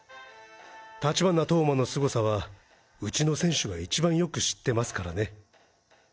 立花投馬の凄さはうちの選手が一番よく知ってますからね。